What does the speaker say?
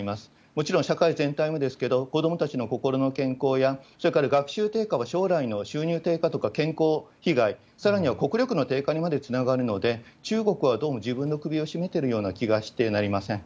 もちろん社会全体もですけど、子どもたちの心の健康や、それから学習低下は、将来の収入低下とか健康被害、さらには国力の低下にまでつながるので、中国はどうも自分の首を絞めてるような気がしてなりません。